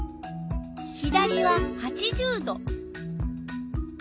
左は８０℃。